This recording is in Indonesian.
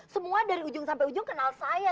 semua dari ujung sampai ujung kenal saya